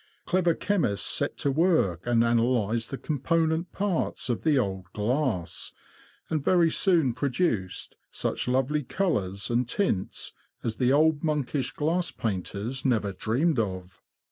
Clever chemists set to work and analysed the component parts of the old glass, and very soon produced such lovely colours and tints as the old monkish glass painters never dreamed of.